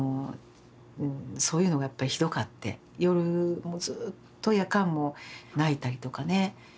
そういうのがやっぱりひどかって夜もうずっと夜間も泣いたりとかね。